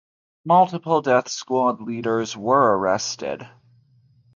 Multiple death squad leaders were arrested.